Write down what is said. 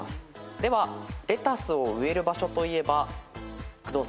ではレタスを植える場所といえば工藤さんどこでしょう？